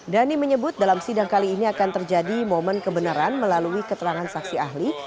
dhani menyebut dalam sidang kali ini akan terjadi momen kebenaran melalui keterangan saksi ahli